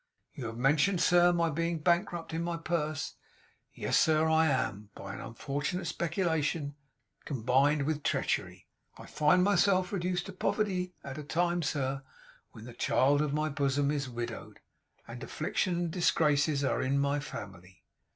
You have mentioned, sir, my being bankrupt in my purse. Yes, sir, I am. By an unfortunate speculation, combined with treachery, I find myself reduced to poverty; at a time, sir, when the child of my bosom is widowed, and affliction and disgrace are in my family.